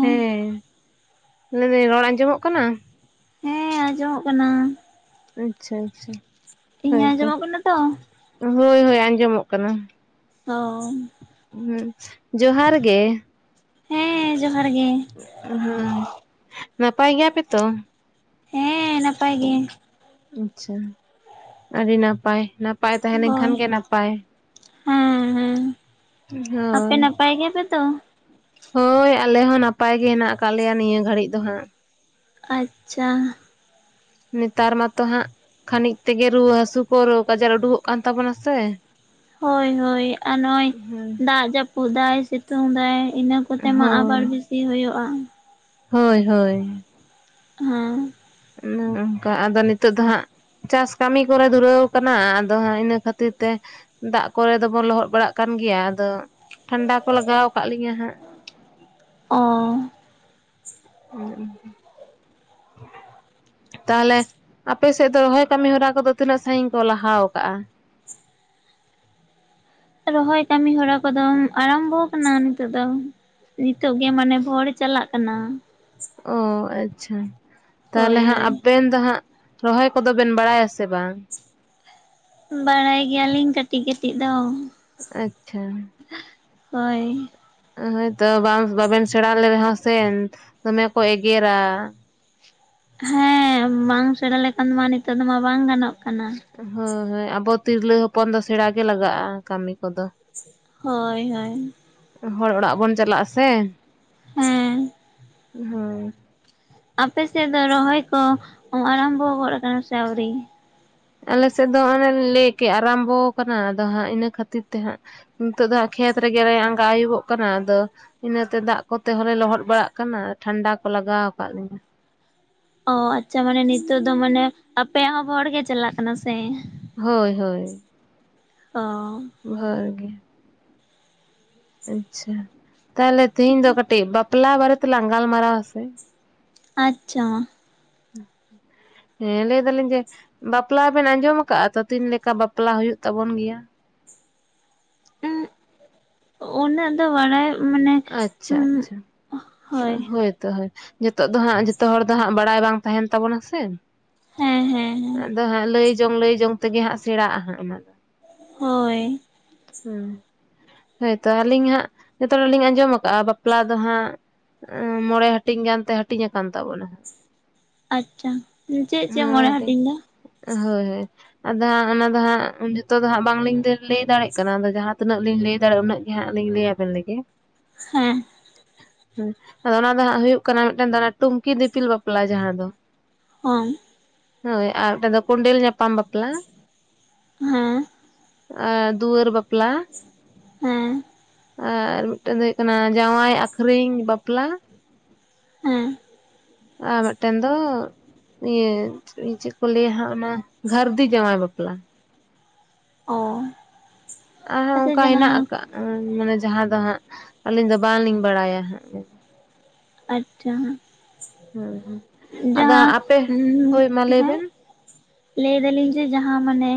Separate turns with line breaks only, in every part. ᱦᱮᱸ ᱞᱟᱹᱭ ᱫᱟᱹᱧ ᱨᱚᱲ ᱟᱸᱡᱚᱢᱚᱜ ᱠᱟᱱᱟ
ᱦᱮᱸ ᱟᱸᱡᱚᱢᱚᱜ ᱠᱟᱱᱟ᱾
ᱟᱪᱷᱟ ᱟᱪᱷᱟ
ᱤᱧᱟᱹᱜ
ᱦᱳᱭᱛᱚ
ᱟᱸᱡᱚᱢᱚᱜ ᱠᱟᱱᱟ ᱛᱚ
ᱦᱳᱭ ᱦᱳᱭ ᱟᱸᱡᱚᱢᱚᱜ ᱠᱟᱱᱟ
ᱚᱻ
ᱦᱩᱸ ᱡᱚᱦᱟᱨ ᱜᱮ?
ᱦᱮᱸ ᱡᱚᱦᱟᱨ ᱜᱮ
ᱦᱩᱸ ᱱᱟᱯᱟᱭ ᱜᱮᱭᱟ ᱯᱮ ᱛᱚ?
ᱦᱮᱸ ᱱᱟᱯᱟᱭ ᱜᱮ᱾
ᱟᱪᱪᱷᱟ ᱟᱹᱰᱤ ᱱᱟᱯᱟᱭ ᱱᱟᱯᱼᱼ ᱯᱟᱭ ᱛᱟᱦᱮᱸᱞᱱᱠᱷᱟᱱ
ᱦᱳᱭ
ᱜᱮ ᱱᱟᱯᱟᱭ
ᱦᱮᱸ ᱦᱮᱸ ᱟᱯᱮ
ᱦᱳᱭ᱾
ᱱᱟᱯᱟᱭ ᱜᱮᱭᱟᱯᱮ ᱛᱚ?
ᱦᱳᱭ ᱟᱞᱮ ᱦᱚᱸ ᱱᱟᱯᱟᱭ ᱜᱮ ᱦᱮᱱᱟᱜ ᱟᱠᱟᱫ ᱞᱮᱭᱟ ᱱᱤᱭᱟᱹ ᱜᱷᱟᱹᱲᱤᱡ ᱫᱚ ᱦᱟᱸᱜ᱾
ᱟᱪᱪᱷᱟ᱾
ᱱᱮᱛᱟᱨ ᱢᱟᱛᱚ ᱦᱟᱸᱜ ᱠᱷᱟᱹᱱᱤᱠ ᱛᱮᱜᱮ ᱨᱩᱣᱟᱹ ᱦᱟᱹᱥᱩ ᱠᱚ ᱨᱳᱜᱽ ᱟᱡᱟᱨ ᱩᱰᱩᱠᱚᱜ ᱠᱟᱱ ᱛᱟᱵᱚᱱᱟ ᱥᱮ?
ᱦᱳᱭ ᱦᱳᱭ ᱟᱨ ᱱᱚᱜᱚᱭ
ᱦᱮᱸ
ᱫᱟᱜ ᱡᱟᱹᱯᱩᱫ ᱫᱟᱭ ᱥᱤᱛᱩᱝ ᱫᱟᱭ ᱤᱱᱟᱹᱼᱼ ᱠᱚᱛᱮ ᱢᱟ
ᱦᱳᱭ
ᱟᱵᱟᱨ ᱵᱮᱥᱤ ᱦᱩᱭᱩᱜᱼᱟ᱾
ᱦᱳᱭ ᱦᱳᱭ᱾
ᱦᱮᱸᱻ
ᱚᱱᱟ ᱢᱟ ᱚᱝᱠᱟ ᱟᱫᱚ ᱱᱤᱛᱚᱜ ᱫᱚ ᱦᱟᱸᱜᱼᱼ ᱪᱟᱥ ᱠᱟᱢᱤ ᱠᱚᱨᱮ ᱫᱷᱩᱨᱟᱹᱣ ᱠᱟᱱᱟ ᱟᱫᱚ ᱦᱟᱸᱜ ᱤᱱᱟᱹ ᱠᱷᱟᱹᱛᱤᱨ ᱛᱮᱼᱼ ᱫᱟᱜ ᱠᱚᱨᱮ ᱫᱚᱵᱚ ᱞᱚᱦᱚᱫ ᱵᱟᱲᱟᱜ ᱠᱟᱱ ᱜᱮᱭᱟ ᱟᱫᱚᱼᱼ ᱴᱷᱟ ᱱᱰᱟ ᱠᱚ ᱞᱟᱜᱟᱣ ᱠᱟᱜ ᱞᱤᱧᱟᱹ ᱦᱟᱸᱜ᱾
ᱚᱸᱻ
ᱚᱱᱮ ᱚᱱᱠᱟ᱾ [inaudible] ᱛᱟᱦᱚᱞᱮ ᱟᱯᱮ ᱥᱮᱜ ᱫᱚ ᱨᱚᱦᱚᱭ ᱠᱟᱢᱤ ᱦᱚᱨᱟ ᱠᱚᱫᱚ ᱛᱤᱱᱟᱹᱜ ᱥᱟᱹᱜᱤᱧ ᱠᱚ ᱞᱟᱦᱟᱣ ᱠᱟᱜᱼᱟ?
ᱨᱚᱦᱚᱭ ᱠᱟᱢᱤ ᱦᱚᱨᱟ ᱠᱚᱫᱚ ᱟᱨᱟᱢᱵᱚᱣ ᱠᱟᱱᱟ ᱱᱤᱛᱚᱜ ᱫᱚ᱾ ᱱᱤᱛᱚᱜ ᱜᱮ ᱢᱟᱱᱮ ᱵᱷᱚᱲ ᱪᱟᱞᱟᱜ ᱠᱟᱱᱟ᱾
ᱚ ᱟᱪᱪᱷᱟ
ᱦᱳᱭ
ᱛᱟᱦᱚᱞᱮ ᱦᱟᱸᱜ
ᱦᱳᱭ
ᱟᱵᱮᱱ ᱫᱚ ᱦᱟᱸᱜᱼᱼ ᱨᱚᱦᱚᱭ ᱠᱚᱫᱚ ᱵᱮᱱ ᱵᱟᱲᱟᱭᱟ ᱥᱮ ᱵᱟᱝ?
ᱵᱟᱲᱟᱭ ᱜᱮᱭᱟ ᱞᱤᱤᱧ ᱠᱟᱹᱴᱤᱡ ᱠᱟᱹᱴᱤᱡ ᱫᱚ᱾
ᱟᱪᱪᱷᱟ᱾
ᱦᱚᱭ᱾
ᱚ ᱦᱚᱭᱛᱚ ᱵᱟᱝ ᱵᱟᱵᱮᱱ ᱥᱮᱬᱟ ᱞᱮ ᱨᱮᱦᱚᱸ ᱥᱮᱱ ᱫᱚᱢᱮ ᱠᱚ ᱮᱜᱮᱨᱟ᱾
ᱦᱮᱸ ᱵᱟᱝ ᱥᱮᱬᱟᱸ ᱞᱮᱠᱷᱟᱱ ᱢᱟ ᱱᱤᱛᱚᱜ ᱫᱚᱢᱟ ᱵᱟᱝ ᱜᱟᱱᱚᱜ ᱠᱟᱱᱟ᱾
ᱚ ᱦᱳᱭ ᱦᱳᱭ ᱟᱵᱚ ᱛᱤᱨᱞᱟᱹ ᱦᱚᱯᱚᱱ ᱫᱚ ᱥᱮᱬᱟ ᱜᱮ ᱞᱟᱜᱟᱜᱼᱟ ᱠᱟᱢᱤ ᱠᱚᱫᱚ᱾
ᱦᱚᱭ ᱦᱚᱭ᱾
ᱦᱚᱲ ᱚᱲᱟᱜ ᱵᱚᱱ ᱪᱟᱞᱟᱜᱼᱟ ᱥᱮ᱾
ᱦᱮᱸ᱾
ᱦᱚᱭ᱾
ᱟᱯᱮ ᱥᱮᱜ ᱫᱚ ᱨᱚᱦᱚᱭ ᱠᱚ ᱟᱨᱟᱢᱵᱷᱚᱣ ᱜᱚᱫ ᱟᱠᱟᱱᱟ ᱥᱮ ᱟᱣᱨᱤ?
ᱟᱞᱮ ᱥᱮᱜ ᱫᱚ ᱚᱱᱮ ᱞᱤᱧ ᱞᱟᱹᱭ ᱠᱮᱜ ᱟᱨᱟᱢᱵᱚᱣ ᱠᱟᱱᱟ ᱟᱫᱚ ᱦᱟᱸᱜ ᱤᱱᱟᱹ ᱠᱷᱟᱹᱛᱤᱨ ᱛᱮ ᱦᱟᱸᱜᱼᱼ ᱱᱤᱛᱚᱜ ᱫᱚ ᱦᱟᱸᱜ ᱠᱷᱮᱛ ᱨᱮᱜᱮ ᱞᱮ ᱟᱸᱜᱟ ᱟᱹᱭᱩᱵᱚᱜ ᱠᱟᱱᱟ ᱟᱫᱚᱼᱼ ᱤᱱᱟᱹᱛᱮ ᱫᱟᱜ ᱠᱚᱛᱮ ᱦᱚᱸᱱᱞᱮ ᱞᱚᱦᱚᱫ ᱵᱟᱲᱟᱜ ᱠᱟᱱᱟ ᱟ ᱴᱷᱟᱱᱰᱟ ᱠᱚ ᱞᱟᱜᱟᱣ ᱠᱟᱜ ᱞᱤᱧᱟᱹ᱾
ᱚ ᱟᱪᱪᱷᱟ ᱢᱟᱱᱮ ᱱᱤᱛᱚᱜ ᱫᱚ ᱢᱟᱱᱮ ᱟᱯᱮᱭᱟᱜ ᱦᱚᱸ ᱵᱷᱚᱲ ᱜᱮ ᱪᱟᱞᱟᱜ ᱠᱟᱱᱟ ᱥᱮ?
ᱦᱳᱭ ᱦᱳᱭ᱾
ᱚᱻ᱾
ᱵᱷᱳᱨ ᱜᱮ᱾ ᱟᱪᱪᱷᱟ ᱛᱟᱦᱚᱞᱮ ᱛᱤᱦᱤᱧ ᱫᱚ ᱠᱟᱴᱤᱡ ᱵᱟᱯᱞᱟ ᱵᱟᱨᱮ ᱛᱮᱞᱟᱝ ᱜᱟᱞᱢᱟᱨᱟᱣᱟ ᱥᱮ?
ᱟᱪᱪᱷᱟ ᱢᱟ᱾
ᱦᱩᱸ᱾ ᱦᱮᱸ ᱞᱟᱹᱭ ᱫᱟᱞᱤᱧ ᱡᱮ ᱵᱟᱯᱞᱟ ᱵᱮᱱ ᱟᱸᱡᱚᱢ ᱟᱠᱟᱜᱼᱟ ᱛᱚ ᱛᱤᱱ ᱞᱮᱠᱟ ᱵᱟᱯᱞᱟ ᱦᱩᱭᱩᱜ ᱛᱟᱵᱚᱱ ᱜᱮᱭᱟ᱾
ᱩᱸᱜ ᱩᱱᱟᱹᱜ ᱫᱚ ᱵᱟᱲᱟᱭᱼᱼ
ᱟᱪᱪᱷᱟ ᱟᱪᱪᱷᱟ ᱦᱳᱭ ᱛᱚ ᱦᱳᱭ᱾ ᱡᱚᱛᱚᱜ ᱫᱚ ᱦᱟᱸᱜ ᱡᱚᱛᱚ ᱦᱚᱲ ᱫᱚ ᱦᱟᱸᱜ ᱵᱟᱲᱟᱭ ᱵᱟᱝ ᱛᱟᱦᱮᱱ ᱛᱟᱵᱚᱱᱟ ᱥᱮ?
ᱦᱮᱸ ᱦᱮᱸ ᱦᱮᱸ
ᱟᱫᱚ ᱦᱟᱸᱜ ᱞᱟᱹᱭ ᱡᱚᱝ ᱞᱟᱹᱭ ᱡᱚᱝ ᱛᱮᱜᱮ ᱦᱟᱸᱜ ᱥᱮᱬᱟᱜᱼᱟ ᱦᱟᱸᱜ ᱚᱱᱟ ᱫᱚ᱾
ᱦᱳᱭ᱾
ᱦᱩᱸ ᱦᱳᱭᱛᱚ ᱟᱞᱤᱧ ᱦᱟᱸᱜ ᱡᱚᱛᱚ ᱦᱚᱲ ᱞᱤᱧ ᱟᱸᱡᱚᱢ ᱠᱟᱜᱼᱟ ᱵᱟᱯᱞᱟ ᱫᱚ ᱦᱟᱸᱜᱼᱼ ᱟᱸᱻ ᱢᱚᱬᱮᱸ ᱦᱟᱹᱴᱤᱧ ᱜᱟᱱᱛᱮ ᱦᱟᱹᱴᱤᱧ ᱠᱟᱱ ᱛᱟᱵᱚᱱᱟ ᱦᱟᱸᱜ᱾
ᱟᱪᱪᱷᱟ ᱪᱮᱜ ᱪᱮᱜ ᱢᱚᱬᱮᱸ ᱦᱟᱹᱴᱤᱧ ᱫᱚ?
ᱦᱳᱭ ᱦᱳᱭ ᱟᱫᱚ ᱦᱟᱸᱜ ᱚᱱᱟ ᱫᱚ ᱦᱟᱸᱜ ᱩᱸ ᱡᱚᱛᱚ ᱫᱚ ᱦᱟᱸᱜ ᱵᱟᱝ ᱞᱤᱧ ‌ᱞᱟᱹ ᱞᱟᱹᱭ ᱫᱟᱲᱮᱜᱼᱼ ᱠᱟᱱᱟ ᱟᱫᱚ ᱡᱟᱦᱟᱸ ᱛᱤᱱᱟᱹᱜ ᱞᱤᱧ ᱞᱟᱹᱭ ᱫᱟᱲᱮᱜᱼᱟ ᱩᱱᱟᱹᱜ ᱜᱮ ᱦᱟᱸᱜ ᱞᱤᱧ ᱞᱟᱹᱭᱟ ᱵᱮᱱ ᱞᱮᱜᱮ᱾
ᱦᱮᱸ᱾
[inaudible] ᱦᱩᱸ ᱟᱫᱚ ᱚᱱᱟ ᱫᱚ ᱦᱟᱸᱜ ᱦᱩᱭᱩᱜ ᱠᱟᱱᱟ ᱢᱤᱫᱴᱟᱝ ᱫᱚ ᱴᱩᱝᱠᱤ ᱫᱤᱯᱤᱞ ᱵᱟᱯᱞᱟ ᱡᱟᱦᱟᱸ ᱫᱚ᱾
ᱦᱚᱢ᱾
ᱦᱳᱭ ᱟᱨ‌ ᱢᱤᱫᱴᱮᱱ ᱫᱚ ᱠᱩᱸᱰᱮᱞ ᱧᱟᱯᱟᱢ ᱵᱟᱯᱞᱟ᱾
ᱦᱩᱸ᱾
ᱟ ᱫᱩᱣᱟᱹᱨ ᱵᱟᱯᱞᱟ,
ᱦᱮᱸᱻ
ᱟᱨ ᱢᱤᱫᱴᱮᱱ ᱫᱚ ᱦᱩᱭᱩᱜ ᱠᱟᱱᱟ ᱡᱟᱶᱟᱭ ᱟᱠᱷᱨᱤᱧ ᱵᱟᱯᱞᱟ᱾
ᱦᱮᱸ
ᱟᱨ ᱢᱤᱫᱴᱮᱱ ᱫᱚ ᱤᱭᱟᱹ ᱪᱮ ᱪᱮᱫ ᱠᱚ ᱞᱟᱹᱭᱟ ᱦᱟᱸᱜ ᱚᱱᱟ ᱜᱷᱟᱹᱨᱫᱤ ᱡᱟᱶᱟᱭ ᱵᱟᱯᱞᱟ᱾
ᱚ
ᱟᱨᱦᱚᱸ
ᱟᱪᱪᱷᱟ
ᱚᱱᱠᱟ ᱦᱮᱱᱟᱜ
ᱡᱟᱦᱟᱸ
ᱟᱠᱟᱜᱼᱟ ᱢᱟᱱᱮ ᱡᱟᱦᱟᱸ ᱫᱚ ᱦᱟᱸᱜ ᱟᱹᱞᱤᱧ ᱫᱚ ᱵᱟᱝᱞᱤᱧ ᱵᱟᱲᱟᱭᱟ ᱦᱟᱸᱜ᱾
ᱟᱪᱪᱷᱟ
ᱦᱮᱸ ᱦᱮᱸ ᱟᱫᱚ
ᱡᱟᱦᱟᱸ
ᱟᱯᱮ ᱦᱳᱭ ᱢᱟ ᱞᱟᱹᱭ
ᱦᱮᱸ
ᱵᱮᱱ
ᱞᱟᱹᱭ ᱫᱟᱞᱤᱧ ᱡᱮ ᱡᱟᱦᱟᱸ ᱢᱟᱱᱮ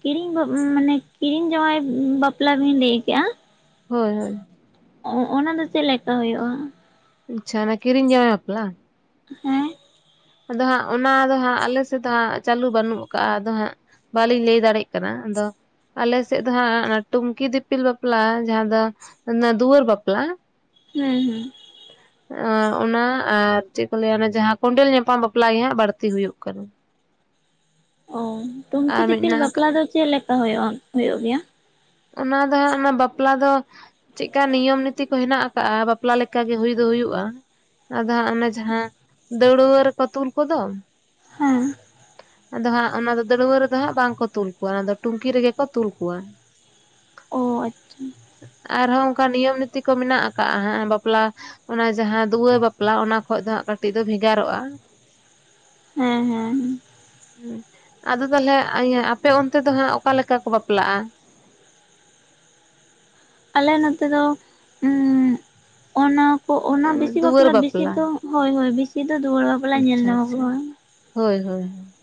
ᱠᱤᱨᱤᱧ ᱢᱟᱱᱮ ᱠᱤᱨᱤᱧ ᱡᱟᱶᱟᱭ ᱵᱟᱯᱞᱟ ᱵᱤᱱ ᱞᱟᱹᱭ ᱠᱮᱜᱼᱟ᱾
ᱦᱳᱭ ᱦᱳᱭ᱾
ᱚ ᱚᱱᱟ ᱫᱚ ᱪᱮᱫ ᱞᱮᱠᱟ ᱦᱩᱭᱩᱜᱼᱟ?
ᱟᱪᱪᱷᱟ ᱚᱱᱟ ᱠᱤᱨᱤᱧ ᱡᱟᱶᱟᱭ ᱵᱟᱯᱞᱟ?
ᱦᱮᱸ
ᱟᱫᱚ ᱦᱟᱸᱜ ᱚᱱᱟ ᱫᱚ ᱦᱟᱸᱜ ᱟᱞᱮ ᱥᱮᱫ ᱫᱚ ᱦᱟᱸᱜ ᱪᱟᱹᱞᱩ ᱵᱟᱹᱱᱩᱜ ᱟᱠᱟᱜᱼᱟ ᱟᱫᱚ ᱦᱟᱸᱜ ᱵᱟᱹᱞᱤᱧ ᱞᱟᱹᱭ ᱫᱟᱲᱮᱭᱟᱜ ᱠᱟᱱᱟ ᱟᱫᱚ ᱟᱞᱮ ᱥᱮᱫ ᱫᱚ ᱦᱟᱸᱜ ᱚᱱᱟ ᱴᱩᱝᱠᱤ ᱫᱤᱯᱤᱞ ᱵᱟᱯᱞᱟ ᱡᱟᱦᱟᱸ ᱫᱚᱼᱼ ᱚᱱᱟ ᱫᱩᱣᱟᱹᱨ ᱵᱟᱯᱞᱟ᱾
ᱦᱮᱸ ᱦᱮᱸ
ᱚ ᱚᱱᱟ ᱟᱨ ᱪᱮᱫ ᱠᱚ ᱞᱟᱹᱭᱟ ᱚᱱᱟ ᱡᱟᱦᱟᱸ ᱠᱚᱰᱮᱞ ᱧᱟᱼᱼ ᱯᱟᱢ ᱵᱟᱯᱞᱟ ᱜᱮ ᱦᱟᱸᱜ ᱵᱟᱹᱲᱛᱤ ᱦᱩᱭᱩᱜ ᱠᱟᱱᱟ᱾
ᱚ ᱴᱩᱝᱠᱤ
ᱟᱨ ᱢᱤᱫ
ᱫᱤᱯᱤᱞ
ᱦᱮᱱᱟᱜ
ᱵᱟᱯᱞᱟ
ᱟᱠᱟᱫ
ᱫᱚ ᱪᱮᱫ ᱞᱮᱠᱟ ᱦᱩᱭᱩᱜᱼᱟ ᱦᱩᱭᱩᱜ ᱜᱮᱭᱟ?
ᱚᱱᱟ ᱫᱚ ᱦᱟᱸᱜ ᱚᱱᱟ ᱵᱟᱯᱞᱟ ᱫᱚ ᱪᱮᱜ ᱠᱟ ᱱᱤᱭᱚᱢ ᱱᱤᱛᱤ ᱠᱚ ᱦᱮᱱᱟᱜ ᱟᱠᱟᱜᱼᱟ ᱵᱟᱯᱞᱟ ᱞᱮᱠᱟ ᱜᱮ ᱦᱩᱭ ᱫᱚ ᱦᱩᱭᱩᱜᱼᱟ᱾ ᱟᱫᱚ ᱦᱟᱸᱜ ᱚᱱᱟ ᱡᱟᱦᱟᱸ ᱫᱟᱹᱲᱣᱟᱹ ᱨᱮᱠᱚ ᱛᱩᱞ ᱠᱚᱫᱚ
ᱦᱩᱸᱼᱼ
ᱟᱫᱚ ᱦᱟᱸᱜ ᱚᱱᱟ ᱫᱚ ᱫᱟᱹᱲᱣᱟᱹ ᱨᱮᱫᱚ ᱦᱟᱸᱜ ᱵᱟᱝᱠᱚ ᱛᱩᱞ ᱠᱚᱣᱟ ᱚᱱᱟ ᱫᱚ ᱴᱩᱝᱠᱤ ᱨᱮᱜᱮ ᱠᱚ ᱛᱩᱞ ᱠᱚᱣᱟ᱾
ᱚ ᱟᱪᱪᱷᱟ
ᱟᱨᱦᱚᱸ ᱚᱱᱠᱟ ᱱᱤᱭᱚᱢ ᱱᱤᱛᱤ ᱠᱚ ᱢᱮᱱᱟᱜ ᱟᱠᱟᱜᱼᱟ ᱦᱟᱸᱜ ᱵᱟᱯᱞᱟ ᱚᱱᱟ ᱡᱟᱦᱟᱸ ᱫᱩᱣᱟᱹᱨ ᱵᱟᱯᱞᱟ ᱚᱱᱟ ᱠᱷᱚᱡ ᱫᱚ ᱦᱟᱸᱜ ᱠᱟᱹᱴᱤᱡ ᱫᱚ ᱵᱷᱮᱜᱟᱨᱚᱜᱼᱟ᱾ [inaudible]
ᱦᱮᱸ ᱦᱮᱸ
ᱦᱩᱸ ᱟᱫᱚ ᱛᱟᱞᱦᱮ ᱤᱭᱟᱹ ᱟᱯᱮ ᱚᱱᱛᱮ ᱫᱚ ᱦᱟᱸᱜ ᱚᱠᱟ ᱞᱮᱠᱟ ᱠᱚ ᱵᱟᱯᱞᱟᱜᱼᱟ?
ᱟᱞᱮ ᱱᱚᱛᱮ ᱫᱚ ᱩᱸ ᱚᱱᱟ ᱠᱚ ᱚᱱᱟ ᱵᱤᱥᱤ ᱵᱟᱯᱞᱟ ᱵᱤᱥᱤ ᱫᱚ ᱦᱳᱭ ᱦᱳᱭ ᱵᱤᱥᱤ ᱫᱚ ᱫᱩᱣᱟᱹᱨ ᱵᱟᱯ
ᱟᱪᱪᱷᱟ ᱟᱪᱪᱷᱟ, ᱦᱳᱭ ᱦᱳᱭ ᱦᱳᱭ᱾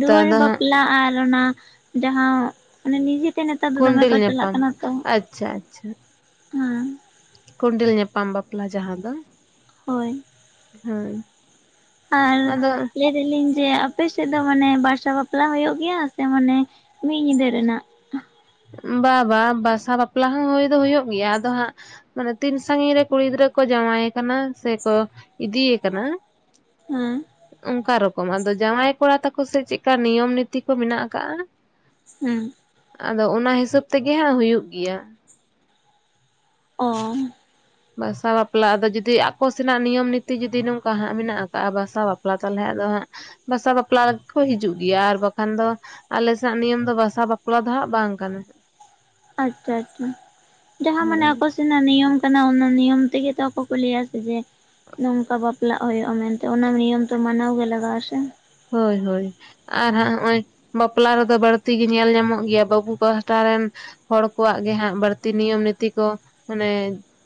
ᱫᱩᱣᱟᱹᱨ ᱵᱟᱯᱞᱟ ᱟᱨ ᱚᱱᱟ ᱡᱟᱦᱟᱸ ᱢᱟᱱᱮ ᱱᱤᱡᱮ ᱛᱮ ᱱᱮᱛᱟᱨ ᱫᱚ ᱫᱚᱢᱮ
ᱠᱚᱸᱰᱮᱞ
ᱠᱚ ᱪᱟᱞᱟᱜ
ᱧᱟᱯᱟᱢ
ᱠᱟᱱᱟ ᱛᱚ,
ᱟᱪᱪᱷᱟ ᱟᱪᱪᱷᱟ
ᱦᱮᱸ᱾
ᱠᱚᱸᱰᱮᱞ ᱧᱟᱯᱟᱢ ᱵᱟᱯᱞᱟ ᱡᱟᱦᱟᱸ ᱫᱚ᱾
ᱦᱳᱭ᱾
ᱦᱳᱭ᱾
ᱟᱨ
ᱟᱫᱚ
ᱞᱟᱹ [unintelligible] ᱡᱮ ᱟᱯᱮ ᱥᱮᱫ ᱫᱚ ᱢᱟᱱᱮ ᱵᱟᱨᱥᱟ ᱵᱟᱯᱞᱟ ᱦᱩᱭᱩᱜ ᱜᱮᱭᱟ ᱥᱮ ᱢᱟᱱᱮ ᱢᱤᱫ ᱧᱤᱫᱟᱹ ᱨᱮᱱᱟᱜ?
ᱵᱟ ᱵᱟ ᱵᱟᱥᱟ ᱵᱟᱯᱞᱟ ᱦᱚᱸ ᱦᱩᱭ ᱫᱚ ᱦᱩᱭᱩᱜ ᱜᱮᱭᱟ ᱟᱫᱚ ᱦᱟᱸᱜ ᱢᱟᱱᱮ ᱛᱤᱱ ᱥᱟᱜᱤᱧ ᱨᱮ ᱠᱩᱲᱤ ᱜᱤᱫᱽᱨᱟᱹ ᱠᱚ ᱡᱟᱶᱟᱭᱮ ᱠᱟᱱᱟ ᱥᱮᱠᱚ ᱤᱫᱤ ᱭᱮ ᱠᱟᱱᱟ
ᱦᱮᱸ᱾
ᱚᱱᱠᱟ ᱨᱚᱠᱚᱢ ᱟᱫᱚ ᱡᱟᱶᱟᱭ ᱠᱚᱲᱟ ᱛᱟᱠᱚ ᱥᱮᱫ ᱪᱮᱜᱠᱟ ᱱᱤᱭᱚᱢ ᱱᱤᱛᱤ ᱠᱚ ᱢᱮᱱᱟᱜ ᱠᱟᱜ-ᱟ
ᱦᱩᱸ᱾
ᱟᱫᱚ ᱚᱱᱟ ᱦᱤᱥᱟᱹᱵᱽ ᱛᱮᱜᱮ ᱦᱟᱸᱜ ᱦᱩᱭᱩᱜ ᱜᱮᱭᱟ᱾
ᱚ᱾
ᱵᱟᱥᱟ ᱵᱟᱯᱞᱟ ᱟᱫᱚ ᱡᱩᱫᱤ ᱟᱠᱚ ᱥᱮᱱᱟᱜ ᱱᱤᱭᱚᱢ ᱱᱤᱛᱤ ᱡᱩᱫᱤ ᱱᱚᱝᱠᱟ ᱦᱟᱸᱜ ᱢᱮᱱᱟᱜ ᱠᱟᱜ-ᱟ ᱵᱟᱥᱟ ᱵᱟᱯᱞᱟ ᱛᱟᱞᱦᱮ ᱟᱫᱚ ᱦᱟᱸᱜ ᱵᱟᱥᱟ ᱵᱟᱯᱞᱟ ᱠᱚ ᱦᱤᱡᱩᱜ ᱜᱮᱭᱟ ᱟᱨ ᱵᱟᱠᱷᱟᱱ ᱫᱚ ᱟᱞᱮ ᱥᱮᱱᱟᱜ ᱱᱤᱭᱚᱢ ᱫᱚ ᱵᱟᱥᱟ ᱵᱟᱯᱞᱟ ᱫᱚ ᱦᱟᱸᱜ ᱵᱟᱝ ᱠᱟᱱᱟ᱾
ᱟᱪᱪᱷᱟ ᱟᱪᱪᱷᱟ, ᱡᱟᱦᱟᱸ ᱢᱟᱱᱮ
ᱦᱮᱸ
ᱟᱠᱚ ᱥᱮ ᱥᱮᱱᱟᱜ ᱱᱤᱭᱚᱢ ᱠᱟᱱᱟ ᱚᱱᱟ ᱱᱤᱭᱚᱢ ᱛᱮᱜᱮ ᱛᱚ ᱟᱠᱚᱠᱚ ᱞᱟᱹᱭᱟ ᱥᱮ ᱡᱮ ᱱᱚᱝᱠᱟ ᱵᱟᱯᱞᱟᱜ ᱦᱩᱭᱩᱜᱼᱟ ᱢᱮᱱᱛᱮ ᱚᱱᱟ ᱱᱤᱭᱚᱢ ᱫᱚ ᱢᱟᱱᱟᱣ ᱜᱮ ᱞᱟᱜᱟᱜᱼᱟ ᱥᱮ᱾
ᱦᱳᱭ ᱦᱳᱭ᱾ ᱟᱨ ᱦᱟᱸᱜ ᱦᱚᱸᱜᱼᱚᱭ ᱵᱟᱯᱞᱟ ᱨᱮᱫᱚ ᱵᱟᱹᱲᱛᱤ ᱜᱮ ᱧᱮᱞ ᱧᱟᱢᱚᱜ ᱜᱮᱭᱟ ᱵᱟᱹᱵᱩ ᱯᱟᱦᱴᱟ ᱨᱮᱱ ᱦᱚᱲ ᱠᱚᱣᱟᱜ ᱜᱮ ᱦᱟᱸᱜ ᱵᱟᱹᱲᱛᱤ ᱱᱤᱭᱚᱢ ᱱᱤᱛᱤ ᱠᱚ ᱢᱟᱱᱮ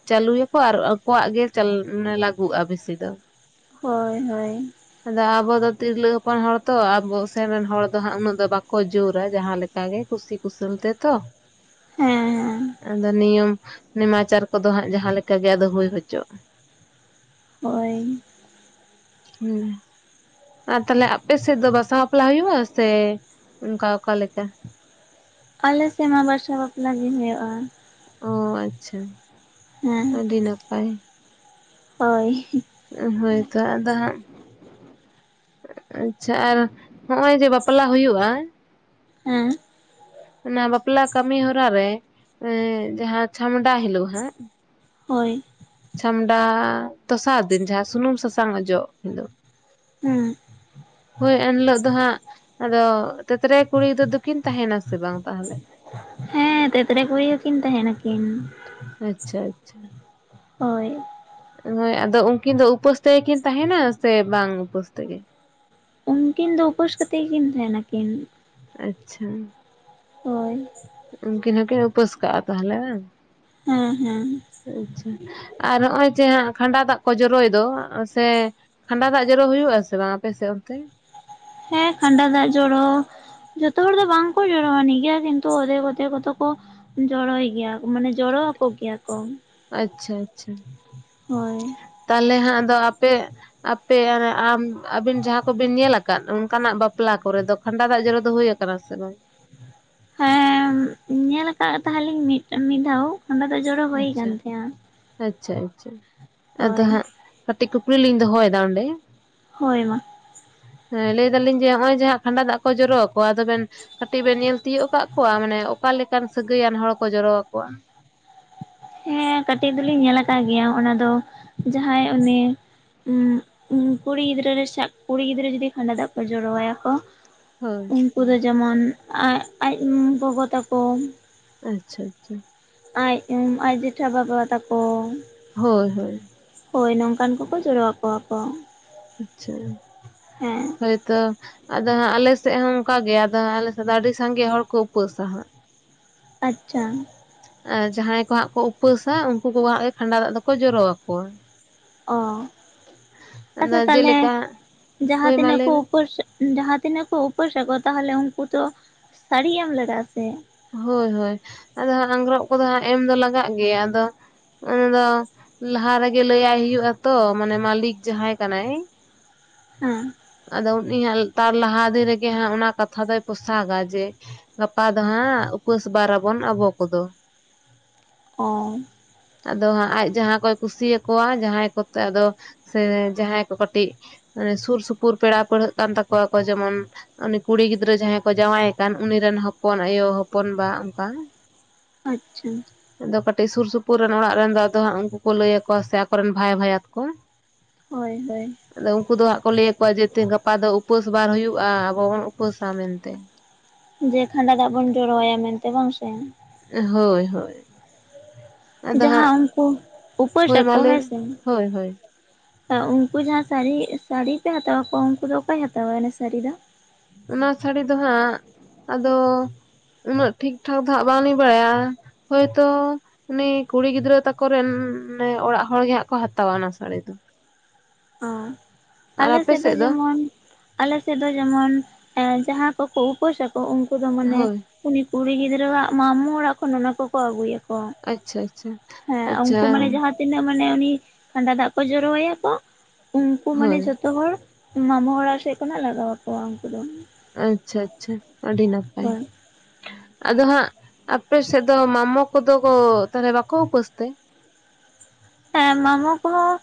ᱪᱟᱹᱞᱩᱭᱟᱠᱚ ᱟᱨ ᱟᱠᱚᱣᱟᱜ ᱜᱮ ᱪᱟᱞ ᱢᱟᱱᱮ ᱞᱟᱹᱜᱩᱜᱼᱟ ᱵᱮᱥᱤ ᱫᱚ᱾
ᱦᱳᱭ ᱦᱳᱭ᱾
ᱟᱫᱚ ᱟᱵᱚ ᱫᱚ ᱛᱤᱨᱞᱟᱹ ᱦᱚᱯᱚᱱ ᱦᱚᱲ ᱛᱚ ᱟᱵᱚ ᱥᱮᱱ ᱨᱮᱱ ᱦᱚᱲ ᱫᱚ ᱦᱟᱸᱜ ᱩᱱᱟᱹᱜ ᱫᱚ ᱵᱟᱠᱚ ᱡᱳᱨᱟ ᱡᱟᱦᱟᱸ ᱞᱮᱠᱟ ᱜᱮ᱾ ᱠᱩᱥᱤ ᱠᱩᱥᱟᱹᱞ ᱛᱮᱛᱚ᱾
ᱦᱮᱸ ᱦᱮᱸ
ᱟᱫᱚ ᱱᱤᱭᱚᱢ ᱱᱮᱢᱟᱪᱟᱨ ᱠᱚᱫᱚ ᱦᱟᱸᱜ ᱡᱟᱦᱟᱸ ᱞᱮᱠᱟ ᱜᱮ ᱟᱫᱚ ᱦᱩᱭ ᱦᱚᱪᱚᱜ᱾ [inaudible]
ᱦᱳᱭ᱾
ᱦᱩᱸ᱾ ᱟᱨ ᱛᱟᱞᱦᱮ ᱟᱯᱮ ᱥᱮᱫ ᱫᱚ ᱵᱟᱥᱟ ᱵᱟᱯᱞᱟ ᱦᱩᱭᱩᱜᱼᱟ ᱥᱮ ᱚᱱᱠᱟ ᱚᱠᱟ ᱞᱮᱠᱟ?
ᱟᱞᱮ ᱥᱮᱫ ᱢᱟ ᱵᱟᱥᱟ ᱵᱟᱯᱞᱟ ᱜᱮ ᱦᱩᱭᱩᱜᱼᱟ᱾
ᱚ ᱟᱪᱪᱷᱟ᱾
ᱦᱮᱸ᱾
ᱟᱹᱰᱤ ᱱᱟᱯᱟᱭ᱾
ᱦᱳᱭ
ᱩᱸ ᱦᱳᱭᱛᱚ ᱟᱫᱚ ᱦᱟᱸᱜ, ᱟᱪᱪᱷᱟ ᱟᱨ ᱦᱚᱜᱼᱚᱭ ᱡᱮ ᱵᱟᱯᱞᱟ ᱦᱩᱭᱩᱜᱼᱟ
ᱦᱮᱸ
ᱚᱱᱟ ᱵᱟᱯᱞᱟ ᱠᱟᱹᱢᱤ ᱦᱚᱨᱟ ᱨᱮ ᱮᱸ ᱡᱟᱦᱟᱸ ᱪᱷᱟᱢᱰᱟ ᱦᱤᱞᱚᱜ ᱦᱟᱸᱜ,
ᱦᱳᱭ,
ᱪᱷᱟᱢᱰᱟ ᱫᱚᱥᱟᱨ ᱫᱤᱱ ᱡᱟᱦᱟᱸ ᱥᱩᱱᱩᱢ ᱥᱟᱥᱟᱝ ᱚᱡᱚᱜ ᱦᱤᱞᱟᱹᱜ
[inaudible]
ᱦᱳᱭ ᱮᱱᱦᱤᱞᱚᱜ ᱫᱚ ᱦᱟᱸᱜ ᱟᱫᱚ ᱛᱮᱛᱨᱮ ᱠᱩᱲᱤ ᱫᱚ ᱫᱚᱠᱤᱱ ᱛᱟᱦᱮᱸᱱᱟ ᱥᱮ ᱵᱟᱝ ᱛᱟᱦᱚᱞᱮ?
ᱦᱮᱸ ᱛᱮᱛᱨᱮ ᱠᱩᱲᱤ ᱦᱚᱸᱠᱤᱱ ᱛᱟᱦᱮᱸᱱᱟᱠᱤᱱ᱾
ᱟᱪᱪᱷᱟ ᱟᱪᱪᱷᱟ᱾
ᱦᱳᱭ,
ᱦᱳᱭ ᱟᱫᱚ ᱩᱱᱠᱤᱱ ᱫᱚ ᱩᱯᱟᱹᱥ ᱛᱮᱜᱮᱠᱤᱱ ᱛᱟᱦᱮᱸᱱᱟ ᱥᱮ ᱵᱟᱝ ᱩᱯᱟᱹᱥ ᱛᱮᱜᱮ?
ᱠᱤᱱ ᱫᱚ ᱩᱯᱟᱹᱥ ᱠᱟᱛᱮᱜ ᱠᱤᱱ ᱛᱟᱦᱮᱸᱱᱟᱠᱤᱱ᱾
ᱟᱪᱪᱷᱟ,
ᱦᱳᱭ
ᱩᱱᱠᱤᱱ ᱦᱚᱸᱠᱤᱱ ᱩᱯᱟᱹᱥ ᱠᱟᱜᱼᱟ ᱛᱟᱦᱚᱞᱮ ᱵᱟᱝ?
ᱦᱮᱸᱦᱮᱸ ᱦᱮᱸ᱾
ᱟᱪᱪᱷᱟ ᱟᱨ ᱱᱚᱜᱼᱚᱭ ᱡᱮ ᱦᱟᱸᱜ ᱠᱷᱟᱸᱰᱟ ᱫᱟᱜᱽ ᱠᱚ ᱡᱚᱨᱚᱭ ᱫᱚ ᱥᱮ ᱠᱷᱟᱸᱰᱟ ᱫᱟᱜᱽ ᱡᱚᱨᱚ ᱦᱩᱭᱩᱜ ᱟᱥᱮ ᱵᱟᱝ ᱟᱯᱮᱥᱮᱜ ᱚᱱᱛᱮ?
ᱦᱮᱸ ᱠᱷᱟᱸᱰᱟ ᱫᱟᱜᱽ ᱡᱚᱨᱚ ᱡᱚᱛᱚ ᱦᱚᱲ ᱫᱚ ᱵᱟᱝᱠᱚ ᱡᱚᱨᱚ ᱟᱹᱱᱤᱡ ᱜᱮᱭᱟ ᱠᱤᱱᱛᱩ ᱚᱫᱷᱮᱠ ᱚᱫᱷᱮᱠ ᱠᱚ ᱫᱚ ᱠᱚ, ᱡᱚᱲᱚᱭ ᱜᱮᱭᱟ ᱢᱟᱱᱮ ᱡᱚᱲᱚ ᱟᱠᱚ ᱜᱮᱭᱟ ᱠᱚ᱾
ᱟᱪᱪᱷᱟ ᱟᱪᱪᱷᱟ᱾
ᱦᱳᱭ᱾
ᱛᱟᱦᱚᱞᱮ ᱦᱟᱸᱜ ᱟᱫᱚ ᱟᱯᱮ ᱟᱯᱮᱭᱟᱜ ᱨᱮ ᱟᱢ ᱟᱹᱵᱤᱱ ᱡᱟᱦᱟᱸ ᱠᱚᱵᱤᱱ ᱧᱮᱞᱟᱠᱟᱫ ᱚᱱᱠᱟᱱᱟᱜ ᱵᱟᱯᱞᱟ ᱠᱚᱨᱮ ᱫᱚ ᱠᱷᱟᱸᱱᱰᱟ ᱫᱟᱜᱽ ᱡᱚᱨᱚ ᱫᱚ ᱦᱩᱭ ᱟᱠᱟᱱᱟ ᱥᱮ ᱵᱟᱝ?
ᱦᱮᱸ ᱧᱮᱞ ᱟᱠᱟᱜ ᱛᱟᱦᱮᱸᱞᱤᱧ ᱢᱤᱜᱴᱟᱝ ᱢᱤᱜ ᱫᱷᱟᱣ᱾ ᱠᱷᱟᱸᱰᱟ ᱫᱟᱜᱽ ᱡᱚᱨᱚ ᱦᱩᱭ ᱠᱟᱱ
ᱟᱪᱪᱷᱟ
ᱜᱮᱭᱟ
ᱟᱪᱪᱷᱟ
ᱦᱳᱭ᱾
ᱠᱟᱹᱴᱤᱜ ᱠᱩᱠᱞᱤ ᱞᱤᱧ ᱫᱚᱦᱚᱭ ᱫᱟ ᱚᱸᱰᱮ?
ᱦᱚᱭ ᱢᱟ᱾
ᱦᱮᱸ ᱞᱟᱹᱭ ᱫᱟᱞᱤᱧ ᱡᱮ ᱦᱚᱸᱜᱼᱚᱭ ᱡᱮ ᱡᱟᱦᱟᱸ ᱠᱷᱟᱸᱰᱟ ᱫᱟᱜᱽ ᱠᱚ ᱡᱚᱨᱚ ᱠᱚᱣᱟ ᱟᱫᱚᱵᱮᱱ ᱠᱟᱹᱴᱤᱜ ᱵᱮᱱ ᱧᱮᱞ ᱛᱤᱭᱟᱹᱜ ᱟᱠᱟᱜ ᱠᱚᱣᱟ ᱢᱟᱱᱮ ᱚᱠᱟᱞᱮᱠᱟᱱ ᱥᱟᱹᱜᱟᱹᱭᱟᱱ ᱦᱚᱲ ᱠᱚ ᱡᱚᱨᱚᱣᱟᱠᱚᱣᱟ?
ᱦᱮᱸ ᱠᱟᱹᱴᱤᱜ ᱫᱩᱞᱤᱧ ᱧᱮᱞᱟᱠᱟᱜ ᱜᱮᱭᱟ ᱚᱱᱟ ᱫᱚ ᱡᱟᱦᱟᱸᱭ ᱩᱱᱤ ᱩᱸ ᱩᱸ ᱠᱩᱲᱤ ᱜᱤᱫᱽᱨᱟᱹ ᱨᱮ ᱥᱟᱜ ᱠᱩᱲᱤ ᱜᱤᱫᱽᱨᱟᱹ ᱡᱩᱫᱤ ᱠᱷᱟᱸᱰᱟ ᱫᱟᱜᱽ ᱠᱚ ᱡᱚᱨᱚᱣᱟᱭᱟ ᱠᱚ᱾
ᱦᱚᱭ,
ᱩᱱᱠᱩ ᱫᱚ ᱡᱮᱢᱚᱱ ᱟᱡᱽ ᱟᱡᱽ ᱜᱚᱜᱚ ᱛᱟᱠᱚ
ᱟᱪᱪᱷᱟ ᱟᱪᱪᱷᱟ᱾
ᱟᱡᱽ ᱩᱸ ᱟᱡ ᱡᱮᱴᱷᱟ ᱵᱟᱵᱟ ᱛᱟᱠᱚ
ᱦᱚᱭ ᱦᱚᱭ᱾
ᱦᱚᱭ ᱱᱚᱝᱠᱟᱱ ᱠᱚᱠᱚ ᱡᱚᱨᱚ ᱣᱟᱠᱚᱣᱟ ᱠᱚ᱾
ᱟᱪᱪᱷᱟ
ᱦᱮᱸ
ᱦᱚᱭᱛᱚ, ᱟᱫᱚ ᱦᱟᱸᱜ ᱟᱞᱮᱥᱮᱜ ᱦᱚᱸ ᱚᱱᱠᱟ ᱜᱮ ᱟᱫᱚ ᱟᱞᱮᱥᱮᱜ ᱫᱚ ᱟᱹᱰᱤ ᱥᱟᱸᱜᱮ ᱦᱚᱲ ᱠᱚ ᱩᱯᱟᱹᱥᱟ ᱦᱟᱸᱜ᱾
ᱟᱪᱪᱷᱟ,
ᱟᱸ ᱡᱟᱦᱟᱸᱭ ᱠᱚ ᱦᱟᱸᱜ ᱠᱚ ᱩᱯᱟᱹᱥᱟ ᱩᱱᱠᱩ ᱠᱚ ᱦᱟᱸᱜ ᱜᱮ ᱠᱷᱟᱸᱰᱟ ᱫᱟᱜᱽ ᱫᱚᱠᱚ ᱡᱚᱨᱚ ᱟᱠᱚᱣᱟ᱾
ᱚ
ᱟᱫᱚ
ᱟᱪᱪᱷᱟ ᱛᱟᱦᱞᱮ
ᱡᱮᱞᱮᱠᱟ
ᱡᱟᱦᱟᱸ
ᱦᱳᱭ ᱢᱟ
ᱛᱤᱱᱟᱹᱜ ᱠᱚ
ᱞᱟᱹᱭ ᱵᱮᱱ
ᱩᱯᱟᱹᱥ, ᱡᱟᱦᱟᱸ ᱛᱤᱱᱟᱹᱜ ᱠᱚ ᱩᱯᱟᱹᱥ ᱟᱠᱚ ᱛᱟᱦᱚᱞᱮ ᱩᱱᱠᱩ ᱫᱚ ᱥᱟᱹᱲᱤ ᱮᱢ ᱞᱟᱜᱟᱜ-ᱟ ᱥᱮ ᱾
ᱦᱳᱭ ᱦᱳᱭ ᱟᱫᱚ ᱦᱟᱸᱜ ᱟᱝᱜᱽᱨᱚᱜ ᱠᱚᱫᱚ ᱦᱟᱸᱜ ᱮᱢ ᱫᱚ ᱞᱟᱜᱟᱜ ᱜᱮᱭᱟ ᱟᱫᱚ ᱚᱱᱟ ᱫᱚ ᱞᱟᱦᱟ ᱨᱮᱜᱮ ᱞᱟᱹᱭᱟᱭ ᱦᱩᱭᱩᱜ-ᱟ ᱛᱚ ᱢᱟᱱᱮ ᱢᱟᱹᱞᱤᱠ ᱡᱟᱦᱟᱸᱭ ᱠᱟᱱᱟᱭ ᱾
ᱦᱩᱸ ᱾
ᱟᱫᱚ ᱩᱱᱤ ᱦᱟᱸᱜ ᱛᱟᱨ ᱞᱟᱦᱟ ᱫᱤᱱ ᱨᱮᱜᱮ ᱦᱟᱸᱜ ᱚᱱᱟ ᱠᱟᱛᱷᱟ ᱫᱚᱭ ᱯᱳᱚᱥᱟᱜᱟ ᱡᱮ ᱜᱟᱯᱟ ᱫᱚ ᱦᱟᱸᱜ ᱩᱯᱟᱹᱥ ᱵᱟᱨᱟ ᱵᱚᱱ ᱟᱵᱚ ᱠᱚᱫᱚ ᱾
ᱚᱸᱻ ᱾
ᱟᱫᱚ ᱦᱟᱸᱜ ᱟᱡ ᱡᱟᱦᱟᱸ ᱠᱚᱭ ᱠᱩᱥᱤᱭᱟᱠᱚᱣᱟ ᱡᱟᱦᱟᱸᱭ ᱠᱚᱛᱮ ᱟᱫᱚ ᱥᱮ ᱡᱟᱦᱟᱸᱭ ᱠᱚ ᱠᱟᱹᱴᱤᱡ ᱥᱩᱨ ᱥᱩᱯᱩᱨ ᱯᱮᱲᱟ ᱯᱟᱹᱲᱦᱟᱹᱜ ᱠᱟᱱ ᱛᱟᱠᱚᱣᱟ ᱠᱚ ᱡᱮᱢᱚᱱ ᱩᱱᱤ ᱠᱩᱲᱤ ᱜᱤᱫᱽᱨᱟᱹ ᱡᱟᱦᱟᱸᱭ ᱠᱚ ᱡᱟᱶᱟᱭᱮ ᱠᱟᱱ ᱩᱱᱤ ᱨᱮᱱ ᱦᱚᱯᱚᱱ ᱟᱭᱳ ᱦᱚᱯᱚᱱ ᱵᱟ ᱚᱱᱠᱟ ᱾
ᱟᱪᱪᱷᱟ ᱾
ᱟᱫᱚ ᱠᱟᱹᱴᱤᱡ ᱥᱩᱨ ᱥᱩᱯᱩᱨ ᱨᱮᱱ ᱚᱲᱟᱜ ᱨᱮᱱ ᱫᱚ ᱟᱫᱚ ᱦᱟᱸᱜ ᱩᱱᱠᱩ ᱠᱚ ᱞᱟᱹᱭ ᱟᱠᱚᱣᱟ ᱥᱮ ᱟᱠᱚᱨᱮᱱ ᱵᱷᱟᱭ ᱵᱷᱟᱭᱟᱛ ᱠᱚ [unintelligible]
ᱦᱚᱭ ᱦᱚᱭ ᱾
ᱟᱫᱚ ᱩᱱᱠᱩ ᱫᱚ ᱦᱟᱸᱜ ᱠᱚ ᱞᱟᱹᱭ ᱟᱠᱚᱣᱟ ᱡᱮ ᱛᱮ ᱜᱟᱯᱟ ᱫᱚ ᱩᱯᱟᱹᱥ ᱵᱟᱨ ᱦᱩᱭᱩᱜ-ᱟ ᱟᱵᱚ ᱵᱚᱱ ᱩᱯᱟᱹᱥᱟ ᱢᱮᱱᱛᱮ ᱾
ᱡᱮ ᱠᱷᱟᱸᱰᱟ ᱫᱟᱜ ᱵᱚᱱ ᱡᱚᱨᱚᱟᱭᱟ ᱢᱮᱱᱛᱮ ᱵᱟᱝ ᱥᱮ ᱾
ᱦᱳᱭ ᱦᱳᱭ ᱾
ᱡᱟᱦᱟᱸ ᱩᱱᱠᱩ ᱩᱯᱟᱹᱥ
ᱦᱳᱭ ᱢᱟ
ᱟᱠᱚ
ᱞᱟᱹᱭ
ᱦᱮᱸ
ᱢᱮ
ᱥᱮ
ᱦᱳᱭ ᱦᱳᱭ
ᱩᱱᱠᱩ ᱡᱟᱦᱟᱸ ᱥᱟᱹᱨᱤ ᱥᱟᱹᱲᱤ ᱯᱮ ᱦᱟᱛᱟᱣ ᱟᱠᱚᱣᱟ ᱩᱱᱠᱩ ᱫᱚ ᱚᱠᱚᱭ ᱦᱟᱛᱟᱣᱟ ᱚᱱᱟ ᱥᱟᱹᱲᱤ ᱫᱚ
ᱚᱱᱟ ᱥᱟᱹᱲᱤ ᱫᱚ ᱦᱟᱸᱜ ᱟᱫᱚ ᱩᱱᱟᱹᱜ ᱴᱷᱤᱠᱴᱷᱟᱠ ᱫᱚ ᱦᱟᱸᱜ ᱵᱟᱝ ᱞᱤᱧ ᱵᱟᱲᱟᱭᱟ ᱦᱚᱭᱛᱚ ᱩᱱᱤ ᱠᱩᱲᱤ ᱜᱤᱫᱽᱨᱟᱹ ᱛᱟᱠᱚᱨᱮᱱ ᱱᱮ ᱚᱲᱟᱜ ᱦᱚᱲ ᱜᱮ ᱦᱟᱸᱜ ᱠᱚ ᱦᱟᱛᱟᱣᱟ ᱚᱱᱟ ᱥᱟᱹᱲᱤ ᱫᱚ ᱾
ᱚ ᱟᱞᱮ ᱥᱮᱫ ᱫᱚ ᱡᱮᱢᱚᱱ ᱟᱞᱮ ᱥᱮᱫ ᱫᱚ ᱡᱮᱢᱚᱱ ᱡᱟᱦᱟᱸ ᱠᱚᱠᱚ ᱩᱯᱟᱹᱥᱟ ᱠᱚ ᱩᱱᱠᱩ ᱫᱚ ᱢᱟᱱᱮ
ᱦᱳᱭ
ᱩᱱᱤ ᱠᱩᱲᱤ ᱜᱤᱫᱽᱨᱟᱹᱟᱜ ᱢᱟᱢᱚ ᱚᱲᱟᱜ ᱠᱷᱚᱱ ᱚᱱᱟ ᱠᱚᱠᱚ ᱟᱹᱜᱩᱭᱟ ᱠᱚ,
ᱟᱪᱪᱷᱟ ᱟᱪᱪᱷᱟ
ᱦᱮᱸ
ᱟᱪᱪᱷᱟ
ᱩᱱᱠᱩ ᱢᱟᱱᱮ ᱡᱟᱦᱟᱸ ᱛᱤᱱᱟᱹᱜ ᱢᱟᱱᱮ ᱩᱱᱤ ᱠᱷᱟᱸᱰᱟ ᱫᱟᱜᱽ ᱠᱚ ᱡᱚᱨᱚᱟᱭᱟ ᱠᱚ ᱩᱱᱠᱩ ᱢᱟᱱᱮ
ᱦᱳᱭ
ᱡᱚᱛᱚ ᱛᱚ ᱦᱚᱲ ᱢᱟᱢᱚ ᱦᱚᱲᱟᱜ ᱥᱮᱜ ᱠᱷᱚᱱᱟᱜ ᱞᱟᱜᱟᱣ ᱟᱠᱚᱣᱟ ᱩᱱᱠᱩ ᱫᱚ ᱾
ᱟᱪᱪᱷᱟ ᱟᱪᱪᱷᱟ ᱟᱹᱰᱤ ᱱᱟᱯᱟᱭ ᱾
ᱦᱳᱭ
ᱟᱫᱚ ᱦᱟᱸᱜ ᱟᱯᱮ ᱥᱮᱫ ᱫᱚ ᱢᱟᱢᱚ ᱠᱚᱫᱚ ᱜᱚ ᱛᱟᱦᱚᱞᱮ ᱵᱟᱠᱚ ᱩᱯᱟᱹᱥ ᱛᱮ?
ᱦᱮᱸ ᱢᱟᱢᱚ ᱠᱚᱦᱚᱸ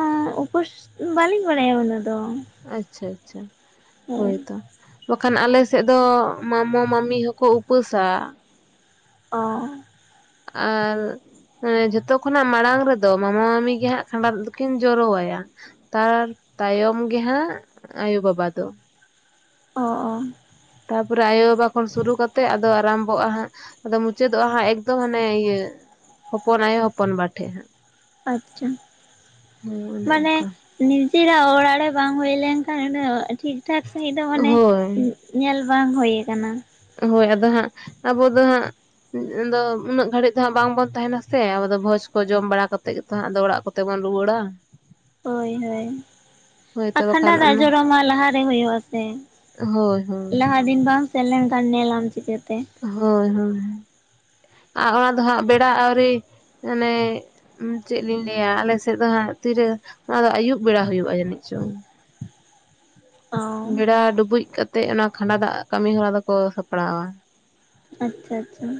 ᱩᱸ ᱩᱯᱟᱹᱥ ᱵᱟᱹᱞᱤᱧ ᱵᱟᱲᱟᱭᱟ ᱩᱱᱟᱹᱜ ᱫᱚ ᱾
ᱟᱪᱪᱷᱟ ᱟᱪᱪᱷᱟ ᱦᱳᱭᱛᱚ ᱾ ᱵᱟᱠᱷᱟᱱ ᱟᱞᱮ ᱥᱮᱫ ᱫᱚ ᱢᱟᱢᱚ ᱢᱟᱹᱢᱤ ᱦᱚᱸᱠᱚ ᱩᱯᱟᱹᱥᱟ ᱾
ᱚᱻ ᱾
ᱟᱨ ᱢᱟᱱᱮ ᱡᱷᱚᱛᱚ ᱠᱷᱚᱱᱟᱜ ᱢᱟᱲᱟᱝ ᱨᱮᱫᱚ ᱢᱟᱢᱟ ᱢᱟᱹᱟᱢᱤ ᱜᱮ ᱦᱟᱸᱜ ᱠᱷᱟᱸᱰᱟ ᱫᱟᱜ ᱫᱚᱠᱤᱱ ᱡᱚᱨᱚ ᱟᱭᱟ। ᱛᱟᱨ ᱛᱟᱭᱚᱢ ᱜᱮ ᱦᱟᱸᱜ ᱟᱭᱳ ᱵᱟᱵᱟ ᱫᱚ।
ᱚ ᱚ।
ᱛᱟᱨ ᱯᱚᱨᱮ ᱟᱭᱳ ᱵᱟᱵᱟ ᱠᱷᱚᱱ ᱥᱩᱨᱩ ᱠᱟᱛᱮᱜ ᱟᱫᱚ ᱟᱨᱟᱢᱵᱷᱚᱜ-ᱟ ᱦᱟᱸᱜ ᱟᱫᱚ ᱢᱩᱪᱟᱹᱫᱚᱜ-ᱟ ᱦᱟᱸᱜ ᱮᱠᱫᱚᱢ ᱦᱟᱱᱮ ᱤᱭᱟᱹ ᱦᱚᱯᱚᱱ ᱟᱭᱳ ᱦᱚᱯᱚᱱ ᱵᱟ ᱴᱷᱮᱡ ᱦᱟᱸᱜ।
ᱟᱪᱪᱷᱟ
ᱦᱮᱸ ᱚᱱᱮ
ᱢᱟᱱᱮ
ᱚᱱᱠᱟ
ᱱᱤᱡᱮᱨᱟᱜ ᱚᱲᱟᱜ ᱨᱮ ᱵᱟᱝ ᱦᱩᱭ ᱞᱮᱱᱠᱷᱟᱱ ᱤᱱᱟᱹ ᱴᱷᱤᱠ ᱴᱷᱟᱠ ᱥᱟᱺᱦᱤᱡ ᱫᱚ ᱢᱟᱱᱮ
ᱦᱳᱭ
ᱧᱮᱞ ᱵᱟᱝ ᱦᱩᱭ ᱠᱟᱱᱟ।
ᱦᱳᱭ ᱟᱫᱚ ᱦᱟᱸᱜ ᱟᱵᱚ ᱫᱚ ᱦᱟᱸᱜ ᱟᱫᱚ ᱩᱱᱟᱹᱜ ᱜᱷᱟᱹᱲᱤᱡ ᱫᱚ ᱦᱟᱸᱜ ᱵᱟᱝ ᱵᱚᱱ ᱛᱟᱦᱮᱸᱱᱟ ᱥᱮ ᱟᱵᱚ ᱫᱚ ᱵᱷᱚᱡᱽ ᱠᱚ ᱡᱚᱢ ᱵᱟᱲᱟ ᱠᱟᱛᱮᱜ ᱜᱮ ᱦᱟᱸᱜ ᱟᱫᱚ ᱚᱲᱟᱜ ᱠᱚᱛᱮ ᱵᱚᱱ ᱨᱩᱣᱟᱹᱲᱟ।
ᱦᱳᱭ ᱦᱳᱭ
ᱦᱳᱭ ᱛᱚ
ᱟᱨ ᱠᱷᱟᱱᱰᱟ
ᱵᱟᱠᱷᱟᱱ
ᱫᱟᱜ
ᱚᱱᱟ
ᱡᱚᱨᱚ ᱢᱟ ᱞᱟᱦᱟᱨᱮ ᱦᱩᱭᱩᱜ ᱟᱥᱮ?
ᱦᱳᱭ ᱦᱳᱭ।
ᱞᱟᱦᱟ ᱫᱤᱱ ᱵᱟᱝᱢ ᱥᱮᱱ ᱞᱮᱱ ᱠᱷᱟᱱ ᱧᱮᱞᱟᱢ ᱪᱤᱠᱟᱹᱛᱮ।
ᱦᱳᱭ ᱦᱳᱭ, ᱟᱨ ᱚᱱᱟ ᱫᱚ ᱦᱟᱸᱜ ᱵᱮᱲᱟ ᱟᱹᱣᱨᱤ ᱢᱟᱱᱮ ᱪᱮᱫ ᱞᱤᱧ ᱞᱟᱹᱭᱟ ᱟᱞᱮ ᱥᱮᱫ ᱫᱚ ᱦᱟᱜ ᱛᱤᱨᱮ ᱚᱱᱟ ᱫᱚ ᱟᱹᱭᱩᱵ ᱵᱮᱲᱟ ᱦᱩᱭᱩᱜᱼᱟ ᱡᱟᱹᱱᱤᱡ ᱪᱚᱝ?
ᱚ
ᱵᱮᱲᱟ ᱰᱩᱵᱩᱡ ᱠᱟᱛᱮᱜ ᱚᱱᱟ ᱠᱷᱟᱸᱰᱟ ᱫᱟᱜ ᱠᱟᱹᱢᱤ ᱦᱚᱨᱟ ᱫᱚᱠᱚ ᱥᱟᱯᱲᱟᱣᱼᱟ।
ᱟᱪᱪᱷᱟ ᱟᱪᱪᱷᱟ।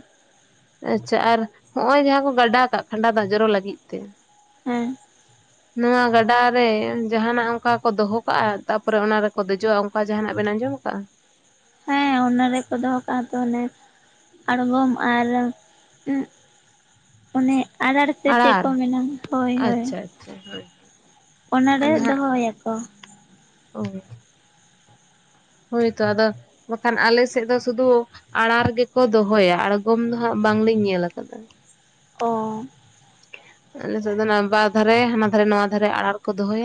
ᱟᱪᱪᱷᱟ ᱟᱨ ᱦᱚᱸᱜᱼᱚᱭ ᱡᱟᱦᱟᱸ ᱠᱚ ᱜᱟᱰᱟ ᱠᱟᱜ ᱠᱷᱟᱸᱰᱟ ᱫᱟᱜ ᱡᱚᱨᱚ ᱞᱟᱹᱜᱤᱫ ᱛᱮ,
ᱦᱮᱸᱻ
ᱱᱚᱣᱟ ᱜᱟᱰᱟ ᱨᱮ ᱡᱟᱦᱟᱱᱟᱜ ᱚᱱᱠᱟ ᱠᱚ ᱫᱚᱦᱚ ᱠᱟᱜᱼᱟ ᱛᱟᱯᱚᱨᱮ ᱚᱱᱟ ᱨᱮᱠᱚ ᱫᱮᱡᱚᱜᱼᱟ ᱚᱱᱠᱟ ᱡᱟᱦᱟᱱᱟᱜ ᱵᱮᱱ ᱟᱸᱡᱚᱢ ᱟᱠᱟᱜᱼᱟ?
ᱦᱮᱸ ᱚᱱᱟ ᱨᱮᱠᱚ ᱫᱚᱦᱚ ᱠᱟᱜᱼᱟ ᱛᱚᱞᱮᱼᱼ ᱟᱲᱜᱚᱢ ᱟᱨᱼᱼ ᱚᱱᱮ ᱟᱫᱟᱨ ᱥᱮ ᱪᱮᱫ
ᱟᱲᱟᱨ
ᱠᱚ ᱢᱮᱱᱟ? ᱦᱳᱭ ᱦᱳᱭ᱾
ᱟᱪᱪᱷᱟ ᱟᱪᱪᱷᱟ ᱦᱳᱭ,
ᱚᱱᱟ ᱨᱮ ᱫᱚᱦᱚ ᱭᱟᱠᱚ।
ᱚᱻ ᱦᱳᱭ ᱛᱚ ᱟᱫᱚ ᱵᱟᱠᱷᱟᱱ ᱟᱞᱮ ᱥᱮᱫ ᱫᱚ ᱥᱩᱫᱷᱩ ᱟᱲᱟᱨ ᱜᱮᱠᱚ ᱫᱚᱦᱚᱭᱟ ᱟᱬᱜᱚᱢ ᱫᱚ ᱦᱟᱸᱜ ᱵᱟᱝᱞᱤᱧ ᱧᱮᱞ ᱟᱠᱟᱫᱟ। [inaudible]
ᱚᱻ
ᱟᱞᱮ ᱥᱮᱫ ᱫᱚ ᱚᱱᱟ ᱵᱟᱨ ᱫᱷᱟᱨᱮ ᱦᱟᱱᱟ ᱫᱷᱟᱨᱮ ᱱᱚᱣᱟ ᱫᱷᱟᱨᱮ ᱟᱲᱟᱨ ᱠᱚ ᱫᱚᱦᱚᱭᱟ।